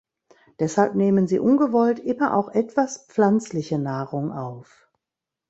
Deshalb nehmen sie ungewollt immer auch etwas pflanzliche Nahrung auf.